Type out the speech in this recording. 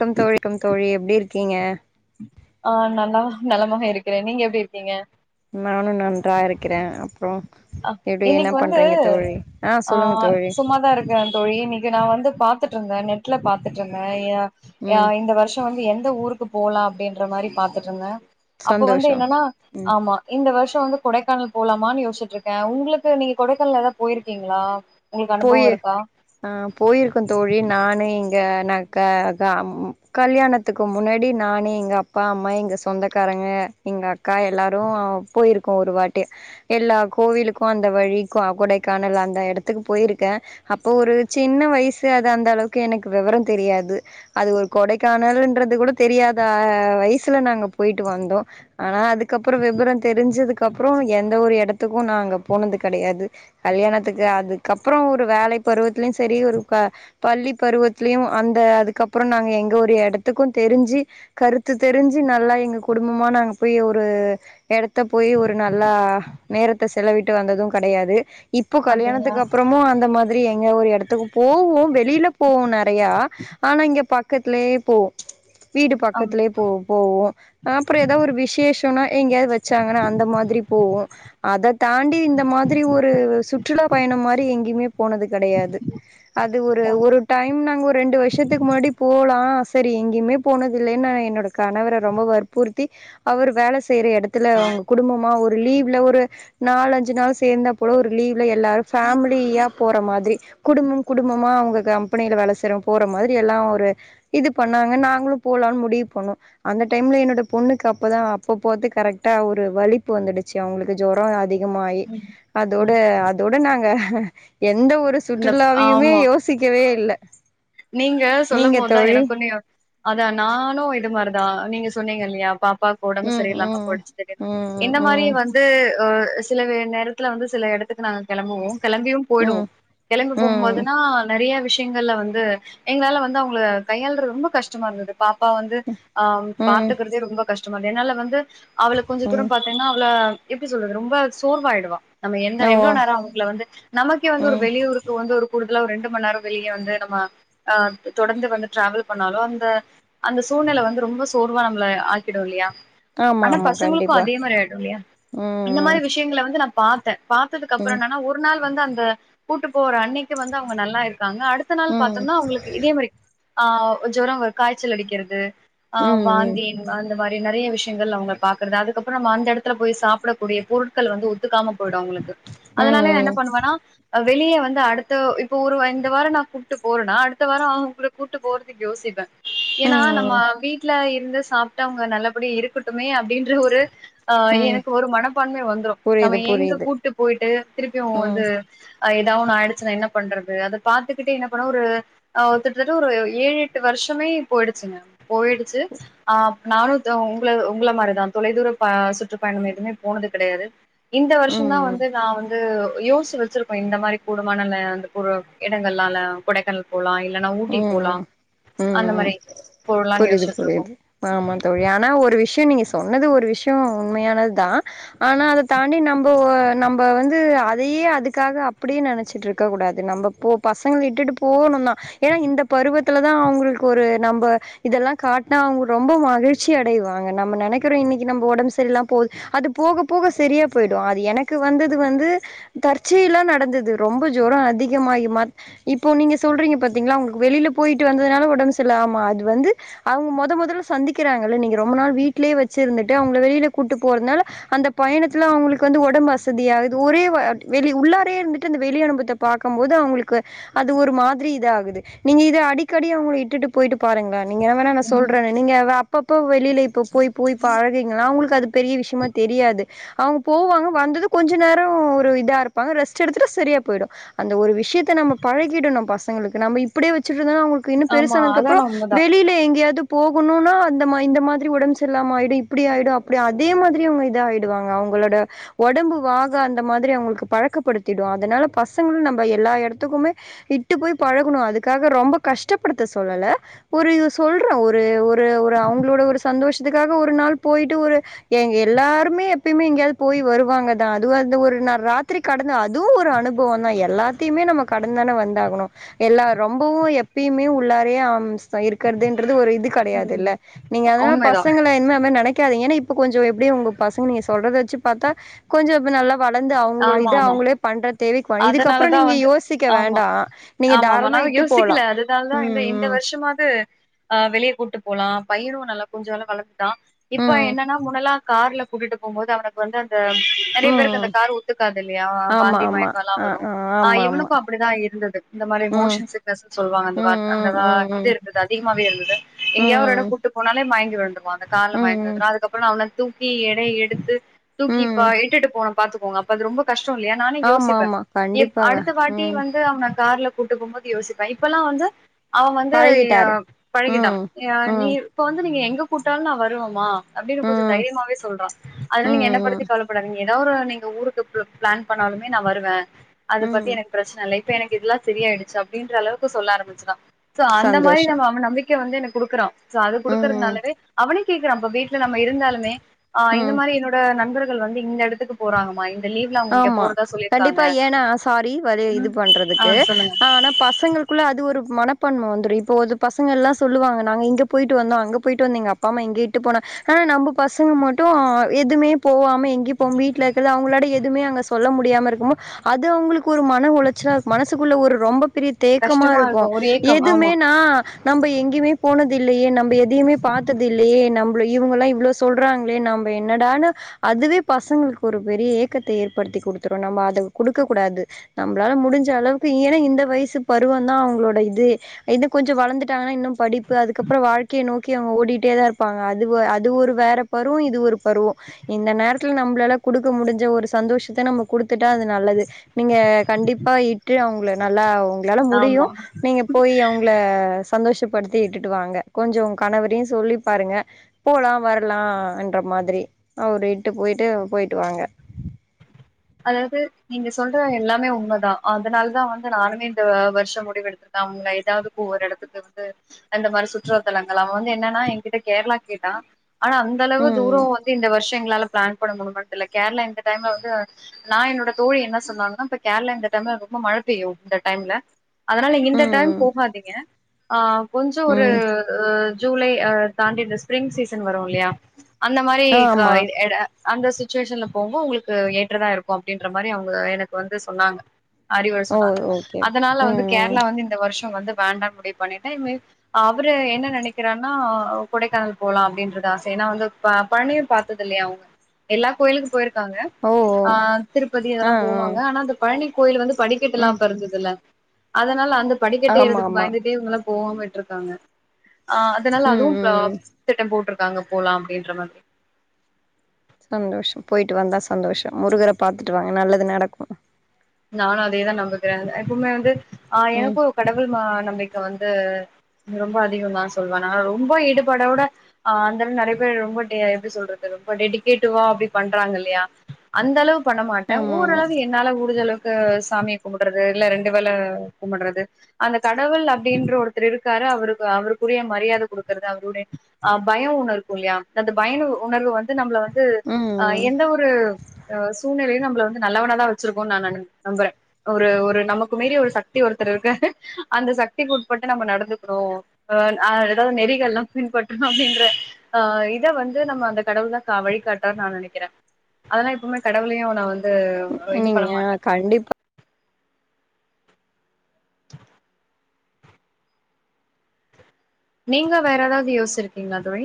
come தோழி கம் தோழி எப்டி இருக்கீங்க ஆ நல்லா நலமாக இருக்கிறே நீங்க எப்டி இருக்கீங்க நானு நன்றா இருக்கிறே அப்றோ அ எப்டி என்ன இன்னைக்கு வந்து பண்றீங்க தோழி ஆ சொல்லுங்க தோழி சும்மாதா இருக்கே தோழி இன்னைக்கு நா வந்து பாத் துட்ருந்தே நெட்ல பாத்துட்ருந்தே எ ஆ ம் இந்த வர்ஷ வந்து எந்த ஊருக் கு போலா அப்டின்ற மாரி பாத்துட்ருந்தே அப்ப வந்து சந்தோஷோ என்னனா ம் ஆமா இந்த வர்ஷ் ஷ வந்து கொடைக்கானல் போலாமான்னு யோசிட்ருக்கே உங்களுக்கு நீங்க கொடைக்கானல் எதா போயிருக்கீங்ளா போயி ஆ போயிருக்கம் தோழி நானு தியான க க அம் ம் கல்யாணத்துக்கு முன்னாடி நானு இவ அப்பா அம்மா எங்க சொந்தக்கார ங்க எங்க அக்கா எல்லாரு போயிருக் க்கோ ஒரு வாட்டி எல்லா கோவிலுக்கு அந்த வழி கொ கொடைக்கானல் அந்த எடத்துக்கு போயிருக்கே அப்போ ஒரு சின்ன வயசு அது அந்த அளவுக்கு எனக்கு வெவர தெரியாது அது ஒரு கொ கொடைக்கானல்ன்றது கூட தெரியாத வயசுல நாங்க போயிட்டு வந்தோ ஆனா அதுக் அப்ற வெவர தெரிஞ்சதுக்கு அப்றோ எந்த ஒரு எடத்துக்கு நாங்க போனது கெடையாது கல்யாணத்துக்கு அது க்கப்றோ ஒரு வேலை பருவத்லயு செரி ஒரு க பள்ளி பருவத்லயு அந்த அதுக்கப்ற நாங்க எங்த ஒரு எடத்துக்கு தெரிஞ்சு கருத்து தெரிஞ்சு நல்லா எங்க குடும்பமா நாங்க போய் ஒரு எடத்த போயி ஒரு நல்லா நேரத்த செலவிட்டு வந்தது கெடையாது இப்ப அப்டிங்களா கல்யாணத்துக்கு அப் அந்த மாதிரி எங்ந ஒரு எடத்துக்கு போவோ வெளில போவோ நெறையா ஆனா இங்க பக்கத்லே போவோ வீடு ஆம் பக்கத்லே போ போவோ அப்ற எதா ஒரு விசேஷம்னா எங்யாவ்து வச்சாங்கனா அந்த மாதிரி போவோ அத தாண்டி இந்த மாதிரி ஒரு சுற்றுலா பயணம் மார் ரி எங்கய்மே போனது கெடையாது அது ஒரு ஒரு டைம் நாங்க ரெண்டு வர்ஷத்துக்கு முன்னாடி போலா சரி எங்கயுமே போனது இல்லேன்னு நா என்னோட கணவர ரொம்போ வற்புறுத்தி அவர் வேல ஸ் செய்ற எடத்துல உங்க குடும்பமா ஒரு லீவ்ல ஒரு நாலு அஞ்சு நாள் சேந்தா போலோ ஒரு லீவ்ல எ ஃபேமிலியா போற மாதிரி குடும்பம் குடும்பமா அவங்க கம்பெனியில வேல செய்ற போற மாதிரி எல்லாம் ஒரு இது பண்ணாங்க நாங்களும் போ பிளான் முடிவு பண்ணோ அந்த டைம்ல என்னோட பொண்ணுக்கு அப்பதா அப்போ போத்து கரெக்டா ஒரு வலிப்பு வந்துடுச்சு அ அவங்களுக்கு ஜொரம் அதிகமாயி ம் அதோட ம் அதோட நாங்க எந்த ஒரு இந்த சுற்றுலாவியுமே ஆமா யோசிக்கவே இல்ல நீங்க சொல்லும் நீங்க போத்தா தோழி எனக்குன்னே யோ அதா நானு இது மாரித் தா நீங்க சொன்னீங்க இல்லையா பாப்பாக்கு ஒடம்பு ம் சரியில்லாம ம் போயிடிச்சு திடீர்னு ம் இந்த மாரி ம் வந்து ஓ அ சில வே நேரத்துல வந்து சில எடத்துக்கு நாங்க கெளம்புவோ கெளம்பியும் போய்டுவோ ம் கெளம்பி ம் போகும்போதுனா நெறைய விஷயங்கள்ல வந்து எங்களால வந்து அவங்கள கையாளுறது ரொம்ப கஷ்டமா இருந்தது பாப்பா வந்து ஆ ம் பாத்துக்கறதே ரொம்ப கஷ்டமாது என்னால வந்து அவள கொஞ்ச ம் தூரம் பாத்தீங்கன்னா அவள எப்டி சொல்றது ரொம்ப சோர்வாயிடுவா நம்ம எந்த ஓ எவ்ளோ நேரோ ஆகும் அவங்கள வந்து நமக்கே வந்து ஒரு ம் வெளியூருக்கு வந்து ஒரு கூடுதலா ஒரு ரெண்டு மணி நேரோ வெளியே வந்து நம்ம அ தொடர்ந்து வந்து டிராவல் பண்ணாலும் அந்த அந்த சூழ்நிலை வந்து ரொம்ப சோர்வா நம்மளை ஆக்கிடும் இல்லையா ஆமா ஆனா ஆமா பசங்களுக்கு கண்டிப்பா அதே மாரி ஆயிடு இல்லையா இந்த ம் மாதிரி விஷயங்கள வந்து நான் பாத்தே பாத்ததுக்கு அப்புறம் ம் என்னன்னா ஒரு நாள் வந்து அந்த கூட்டு போற அன்னைக்கு வந்து அவங்க நல்லா இருக் இருக்காங்க அடுத்த ம் நாள் ம் பாத்தோம்னா அவங்களுக்கு இதே மாதிரி ஆ ஜொரம் காய்ச்சல் அடிக்கிறது ஆ ம் வாந்தி இந்த மாதிரி இந்த மாரி நெறைய விஷயங்கள் அவங்க பாக்குறது அதுக்கப்புறம் நம்ம அந்த இடத்துல போய் சாப்பிடக்கூடிய பொருட்கள் வந்து ஒத்துக்காம போயிடும் அவங்களுக்கு அதனாலே என்ன ம் ம் பண்ணுவேன்னா வெளியே வந்து அடுத்த இப்ப ஒரு இந்த வாரோ நான் கூப்ட்டு போறனா அடுத்த வார அவுங்க கூட்டு போறதுக்கு யோசிப்பே ஏன்னா நம்ம ம் வீட்டுல இங்க சாப்பிட்டு அவங்க நல்லபடி இருக்கட்டுமே அப்படின்ற ஒரு அ ம் எனக்கு ஒரு மனப்பான்மையே வந்துரும் நம்ம புரியுது எங்க புரியுது கூட்டு போயிட்டு திருப்பியும் ம் வந்து எதாவது ஒன்னு ஆயிடுச்சினா என்ன பண்றது அதை பாத்துக்கிட்டு என்ன ஒரு கிட்டத்தட்ட ஒரு ஏழு எட்டு வருஷமே போயிடுச்சிங்க போயிடுச்சி ஆ நானும் உங்கள உங்கள மாதிரிதான் தொலைதூர சுற்றுப்பயணம் எதுவுமே போனது கிடையாது இந்த வருஷம் சின்னா ம் வந்து நான் வந்து யோசிச்சு வச்சிருக்பேன் இந்த மாதிரி கூடுமான அந்த இடங்கள்லால கொடைக்கானல் போலாம் இல்லைன்னா ம் ஊட்டி போலாம் ம் ம் - ம் புரியுது- இருக்கோ புரியுது ஆமா தோழி ஆனா ஒரு விஷயம் நீங்க சொன்னது ஒரு விஷயம் உண்மையானது தான் ஆனா அதை தாண்டி நம்ப நம்ப வந்து அ அதையே அதுக்காக அப்புடியே நெனச்சிட்ருக்க கூடாது நம்ப போ பசங்கள இட்டுட்டு போணும் தா ஏன்னா இந்த பருவத்துல தா அவங்களுக்கு ஒரு நம்ப இதெல்லா காட்னா அவங்க ரொம்ப மகிழ்ச்சி அடைவா ங்க நம்ம நெனைக்கிறோம் இன்னைக்கி நம்போ ஒடம்பு சரி இல்லாம போது அது போக போக செரியா போயிடும் அது எனக்கு வந்தது வந் து தற்செயிலா நடந்தது ரொம்ப சோரம் அதிகமாயி மர் இப்போ நீங்க சொல்றீங்க பத் திங்ல்லா உங்குள்க்கு வெளில போயிட்டு வந்ததுனால உடம்பு செரில்ல ஆமா அது வந்து அவங்க மொத மொதல்ல சந்திக்கிறாங்கல்ல நீங்க ரொம் நா வீட்லே வெச்சிருந்துட்டு அவங்கள வெளில கூட்டு போறதுனால அந்த பயணத்துல அவங்களுக்கு வந்து ஒடம்பு அசதியாகுது ஒரே வாட் வெளிய உள்ளாரே இருந்துட்டு அந்த வெளி அனுபத்த பாக்கம் போது அவுங்களுக்கு அது ஒரு மாதிரி இத ஆகுத் து நீங்க இது அடிக்கடி அவங்கள இட்டுட்டு போயிட்டு பாருங்களேன் நீங்கன்னா வேன்னா நா ம் சொல்றேனே நீங்க வே அப்பப்போ வெ வெளியில இப்ப போய் போய் பழகுனிங்கனா உங்களுக்கு அது பெரிய விஷயமா தெரியாது அவங்க போவாங்க வந்ததும் கொஞ்ச நேரம் ஒரு இதா இருப்பாங்க ரெஸ்ட் எடுத்துட்டு சரியா போயிடும் அந்த ஒரு விஷயத்த நம்ம பழகிடும் நம் பசங்களுக்கு நம்ம இப்புடியே வெச்சுட்ருந்தோம்னா அவங்களுக்கு இன்னும் ஆமா அதான பெருசானதுக்குப்புறோம் உண்மதா வெளியில எங்கயாவது போகணுனா அந்த மா இந்த மாதிரி உடம்பு செரி இல்லாம ஆயிடும் இப்புடி ஆயிடும் அப்புடி அதே மாதிரி அவங்க இதாயிடுவாங்க அவங் உன்னோட ஒடம்பு வாகு‌ அந்த மாதிரி அவங்களுக்கு பழக்கப்படுத்திடும் அதனால பசங்களும் நம்ப எல்லா எடத்துக் ப்போமே இட்டு போய் பழுகுணு அதுக் க்காக ரொம்ப கஷ்டப்படுத்த சொல்லல ஒரு இது சொல்றேன் ஒரு ஒரு ஒரு அவங்களோட ஒரு சந்தோஷத் அதுக்காக ஒரு நாள் போயிட்டு ஒரு எ எல்லாருமே எப்பியுமே எங்கேயாவது போய் வருவாங்க தா அதுவும் அந்த ஒரு நா ராத்திரி கடந்து அதுவும் ஒரு அனுபவம் தா எல்லாத்தையுமே நம்ம கடந்துதானே வந்தாகணும் எல்லா ரொம்பவும் எப்பயுமே உள்ளாரே ஆ ம் சைடுக்கறதேன்றது ஒரு இதுக் ம் கடையாதுல்ல நீங்க அதனால உண்மைதா பசங்கள என்னான்னு நெனைக்காதிங்கன்னு இப் இப்ப கொஞ்சோ எப்டியு உங்க பசங்க நீங்க சொல்றத வச்சு பாத்தா கொஞ்ச இப்ப நல்லாப் வளந்து அவங்களோட ஆமா இது ஆமா அவங்களே பண்ற தேவைக்கு வ இதுக்கப்புறோ அதனாலதா நீங்க வந்து யோசிக்க வேண்டா நீங்க தாராளமா இட் யோசிக்கில அதுனால் தா இந்த இந்த வருஷமாவது ஆ வெளியே கூட்டுப் போலா பையனும் நல்லா கொஞ்ச நாள்ல வளந்துட்டா ம் இப்ப ம் என்னன்னா முன்னலா கார்லப் கூட்டிட்டு போகும்போது அவனுக்கு வந்து அந்த நிறைய ம் பேருக்கு ம் அந்த கார் ஒதுக்காது இல்லையா ஆமா வாந்தி ஆமா மயக்கம் எல்லாம் ஆ வரும் ஆ ஆமா ஆமா இவனுக்கும் அப்படிதா இருந்துது இந்த ம் மாதிரிமோஷன் சிக்கனேஷ் சொல்லுவாங்க ம் அந்த அந்த ம் இது ம் இருந்தது அதிகமாவே இருந்தது எங்கேயா ஒரு இடம் ம் கூட்டி போனாலே மயங்கி விழுந்துருவா அந்த ம் கார்ல மயங்கி ம் விழுந்துருவா அதுக்கப்புறம் அவன தூக்கி எடைய எடுத்து ம் ம் தூக்கிப்பா இட்டு போன பாத்துக்கோங்க அப்ப அது ரொம்ப கஷ் டோ இல்லையா நானே ஆமா யோசிப்பே ஆமா கண்டிப்பாக அடுத்த வாட்டி ம் வந்து அவன கார்ல கூட்டு போபோது யோசிப்ப இப்பெல்லாம் வந்து அவ வந்து பழகிட்டாரு பழகிட்டான் ம் நீ ம் இப்ப வந்து நீங்க எங்க கூட்டாலும் நா வருவமா அப்படின்னு கொஞ்சம் ம் தைரியமாவே சொல்றா அதனால நீங்க என்ன படுத்தி ம் கவலப்படாதீங்க ஏதாவது ஒரு நீங்க ஊருக்கு பிளான் பண்ணாலுமே நா வருவ அத பத்தி ம் எனக்கு பிரச்சனை இல்ல எனக் இதெல்லா சரி ஆயிடுச்சு அப்டின்ற அளவுக்கு சொல்ல ஆரம்பிசிட்டா சோ அந்த மாதிரி சந்தோஷம் நம்ம அவ நம்பிக்க வந்து எனக்கு கொடுக்குறா சோ அது ம் குடுக்கறதனாலவே அவனே கேக்குறா இப்ப வீட்டுல நம்ம இருந்தாலுமே அ ம் இந்த மாதிரி என்னோட நண்பர்கள் வந்து இந்த எடத்துக்கு போறாங்கமா ஆமா கண்டிப்பா ஏன்னா சாரி அது இது ஆ பண்றதுக்கு சொல்லுங்க ஆனா பசங்களுக்குள்ள அது ஒரு மன பன்ம வந்துரு இப்போ ஒரு பசங்க எல்லா சொல்லுவாங்க நாங்க இங்க போயிட்டு வந்தோ அங்க போயிட்டு வந்தோஎங்க அப்பா அம்மா எங்கேயும் இட்டு போன நம்ம பசங்க மட்டும் எதுவுமே போவாம எங்கியும் போவாம வீட்லே இருக்கறது அவங்களோட எ சொல்ல முடியாம இருக்கும்போது அது அவங்களுக்கு ஒரு மன உளைச்சலா மனசுக்குள்ள ஒரு ரொம்ப பெரிய தேக்கமா கஷ்டமா இருக்கும் ஒரு ஏக்கம் ஆமா எதுமேனா நம்ம எங்கேயுமே போனது இல்லையே நம்ம எதையுமே பார்த்தது இல்லையே நம்ம அப்படி இவங்கல்லா இவ்வளவு சொல்றாங்களே நம் என்னடான் அதுவே பசங்களுக்கு ஒரு பெரிய ஏக் கத்த ஏற்படுத்தி கொடுத்தூரும் நம்ம அத கொடுக்கக்க கூடாது நம்மளால முடிஞ்ச அளவுக்கு ஏன்ன இந்த வயசு பருவ தா அவங்களோட இது இத கொஞ்சம் வளர்ந்துட்டாங்கன்னா இன்னும் படிப்பு அதுக்கப்புறம் வாழ்க்கைய நோக்கி ங்க ஓடிட்டே தான் இருப்பாங்க அது அது ஒரு வேற பருவம் இது ஒரு பருவம் இந்த நேரத்துல நம்மளாலே கொடுக்க முடிஞ்ச ஒரு சந்தோஷத்தை நம்ம குடுத்துட்டா அது நல்லது நீங்க கண்டிப்பா இட்டு அவங்கள நல்லா உங்களால ஆமா முடியும் நீங்க போய் அவங்கள சந்தோஷப்படுத்தி இட்டுட்டு வாங்க கொஞ்சம் கணவரையும் சொல்லி பாருங்க போலாம் வரலாம் என்ற ம மாதிரி அவர இட்டு போயிட்டு போயிட்டு வாாங்க அதாவது நீங்க சொல்ற எல்லாமே உண்மைதான் அதனால தான் வந்து நானுமே இந்த வருஷம் முடிவு எடுத்திருக்கேன் அவங்க ஏதாவது ஒவ்வொரு இடத்துக்கு வந்து அந்த மாதிரி சுற்றுலத்தலங்கள் அவன் வந்து என்னன்னா என்கிட்ட கேரளா கேட்டான் ஆனா அந்த அளவு ம் தூரம் வந்து இந்த வருஷ எங்களால பிளான் பண்ண முடியுமாணு தெரியல கேரளா இந்த டைம்ல வந்து நான் என்னோட தோழி என்ன சொன்னாங்கன்னா இப்ப கேரளா இந்த டைம்ல ரொம்ப மழை பெய்யும் இந்த டைம்ல அதனால இந்த டைம் ம் ம் போகாதீங்க ஆ கொஞ்சம் ஒரு ம் ஜூலை் தாண்டிட்டு ஸ்பிரிங் சீசன் வரும் இல்லையா அந்த மாதிரி ஆ கா ஆமா இட அந்த சிச்சுவேஷன்ல போகும்போது உங்களுக்கு ஏற்றதா இருக்கும் அப்படின்ற மாதிரி அவங்க எனக்கு வந்து சொன்னாங்க அறிவுரை ஓ சொன்னாங்க ஓகே அதனால வந்து ம் ம் கேரளா வந்து இந்த வருஷம் வந்து வேண்டாம் முடிவு பண்ண அவரு என்ன நினைக்கிறார்னா கொடைக்கானல் போலாம் அப்படின்ற தான் ச நான் வந்து பழனியே பார்த்தது இல்லையா அவங்க எல்லா கோயிலுக்கு போயிருக்க க்காங்க ஓ ஓ ஆ திருப்பதி ஆ இதெல்லாம் ஆ போவாங்க ஆனா அந்த பழனி கோயில் வந்து ம் படிக்கட்டெலாம் இருந்ததுல அதனால அந்த படிக்கட்டு ஆமா ஏறதுக்கு ஆமா பயந்துட்டே இவங்கெ போகணுட்டு இருக்காங்க ஆ அதனால ம் அதுவும் ம் திட்டம் போட்டிருக்க அங்க போலாம் அப்படின்ற மாதிரி சந்தோஷம் போயிட்டு வந்தா சந்தோஷம் முருகரை பார்த்துட்டு வாங்க நல்லது நடக்கும் நானு அதேதா நம்புக்குறே எப்பவுமே வந்து ஆ ம் எனக்கு கடவுள் மா நம்பிக்க வந்து ரொம்ப அதிகொ தா சொல்லுவா நா ரொம்ப ஈடுபாடோட அ அந்த நெறைய பேர் ரொம்ப டே எப்டி சொல்றது ரொம்ப டெிகேடிவா அப்டி பண்றாங்க இல்லையா அந்த அளவு பண்ண மாட்டே ஆமா ஆமா ஓரளவு என்னால முடிஞ்சளவுக் கு சாமிய கும்புடுறது இல்ல ரெண்டு வேல கும்புடுறது அந்த கடவுள் அப்டின்ற ஒருத்தர் இருக்காரு அவருக்கு அவருக்குரிய மரியாத கொடுக்கறது அவருடைய அ பய ஒண்ணு இருக்கு இல்லையா அந்த பய உ உணர்வு வந்து ந்து நம்மள வந்து ம் அ ம் எந்த ஒரு அ சூழ்நிலையு நம்மள வந்து நல்லவனா தா வச்சிருக்கோனு நா நனைக் நம்புறே ஒரு ஒரு நமக்கு மீறி ஒரு சக்தி ஒருத்தர் இருக்கு அந்த சக்திக்கு உட்பட்டு நம்ம நடந்துக்குறோ ஓ ஓ நா ஏதோ நெறிகள்லா பின்பற்றுனு அப்டின்குற ஆ இத வந்து நம்ம அந்த கடவுள் கா வழிகாட்டா நா நெனைக்கிறே அதெல்லா இப்பவுமே கடவுளையு நா வந்து இது பண்ண நீங்க மாட்டே கண்டிப் நீங்க வேற ஏதாவது யோச்சிருக்கீங்களா தோழி